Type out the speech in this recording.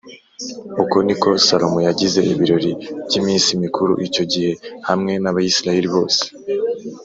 Uko ni ko Salomo yagize ibirori by’iminsi mikuru icyo gihe hamwe n’Abisirayeli bose